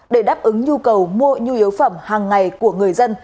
để đáp ứng nhu cầu mua nhu yếu phẩm hàng ngày của người dân